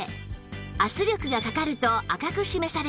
圧力がかかると赤く示されます